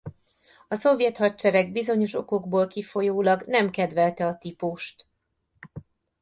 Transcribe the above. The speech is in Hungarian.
A szovjet hadsereg bizonyos okokból kifolyólag nem kedvelte a típust.